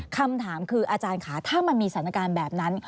คำถามคืออาจารย์ค่ะถ้ามันมีสถานการณ์แบบนั้น